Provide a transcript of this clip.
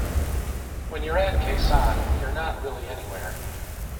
When you're at Khe Sanh, you're not really anywhere.